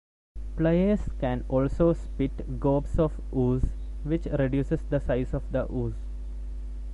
Players can also spit gobs of ooze, which reduces the size of the ooze.